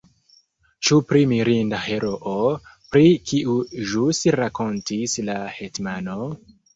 Ĉu pri mirinda heroo, pri kiu ĵus rakontis la hetmano?